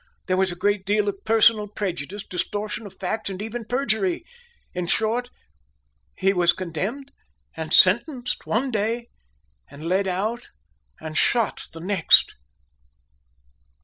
There was a great deal of personal prejudice, distortion of facts, and even perjury in short, he was condemned and sentenced one day and led out and shot the next!"